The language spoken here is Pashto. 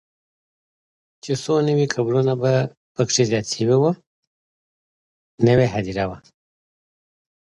چې څو نوي قبرونه به پکې زیات شوي وو، نوې هدیره وه.